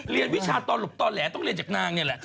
วิชาตอหลบต่อแหลต้องเรียนจากนางนี่แหละ